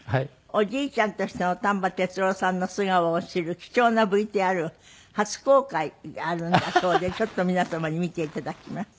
おじいちゃんとしての丹波哲郎さんの素顔を知る貴重なＶＴＲを初公開あるんだそうでちょっと皆様に見て頂きます。